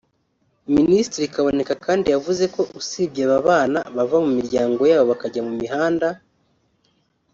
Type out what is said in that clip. Minisitiri Kaboneka kandi yavuze ko usibye aba bana bava mu miryango yabo bakajya mu muhanda